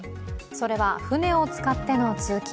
それは、船を使っての通勤。